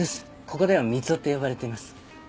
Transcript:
ここではミツオって呼ばれています。